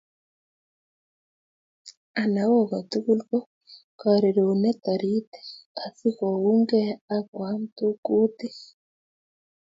Anao ko tugul ko karironet taritik asikounkei akoam kutik